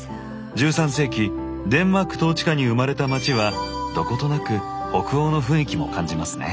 １３世紀デンマーク統治下に生まれた街はどことなく北欧の雰囲気も感じますね。